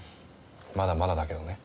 まだまだだけどね。